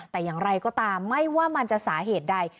แต่อย่างไรก็ตามไม่ว่ามันจะสาเหตุใด